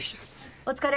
お疲れ。